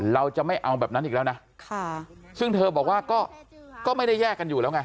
เราจะไม่เอาแบบนั้นอีกแล้วนะซึ่งเธอบอกว่าก็ไม่ได้แยกกันอยู่แล้วไง